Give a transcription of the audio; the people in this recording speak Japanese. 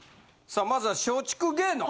さあまずは松竹芸能。